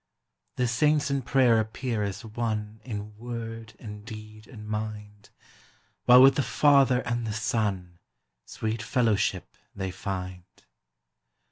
The saints in prayer appear as one In word, and deed, and mind, While with the Father and the Son Sweet fellowship they find.